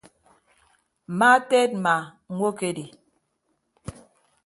Mma teedma ñwokedi.